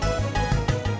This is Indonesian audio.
ya ada tiga orang